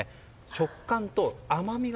食感と甘みが。